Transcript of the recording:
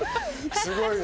すごいね。